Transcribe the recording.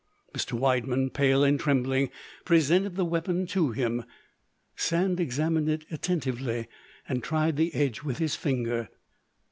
Mr. Widemann, pale and trembling, presented the weapon to him; Sand examined it attentively, and tried the edge with his finger.